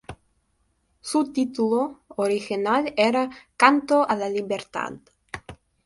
Su título original era "Canto a la Libertad".